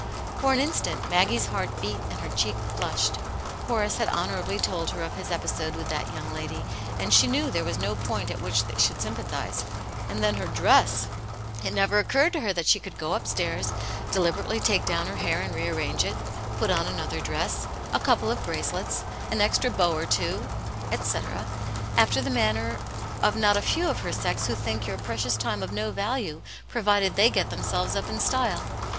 For an instant Maggie's heart beat and her cheek flushed. Horace had honourably told her of his episode with that young lady, and she knew there was no point at which they should sympathize; and then her dress ! It never occurred to her that she could go up stairs, deliberately take down her Iia/r and rearrange it, put on atiolVv^t dt^^^^ ^ c ciu^Xa Aunt Jane's Hero. 127 of bracelets, an extra bow or two, &c., after the manner of not a few of her sex who think your pre cious time of no value provided they get themselves up in style.